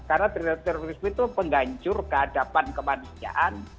karena terorisme itu penggancur kehadapan kemanusiaan